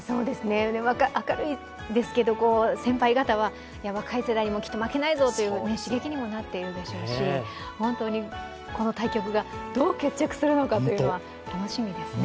明るいですけど、先輩方は若い世代にもきっと負けないぞという刺激にもなっているでしょうし、本当にこの対局がどう決着するのか、楽しみですね。